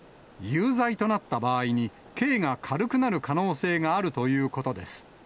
有罪となった場合に、刑が軽くなる可能性があるということです。